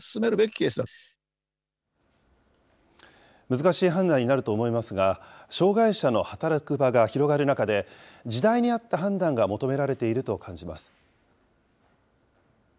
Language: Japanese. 難しい判断になると思いますが、障害者の働く場が広がる中で、時代に合った判断が求められていると感じます。